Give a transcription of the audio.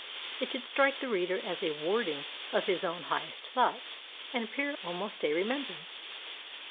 It should strike the reader as a wording of his own highest thoughts, and appear almost a remembrance.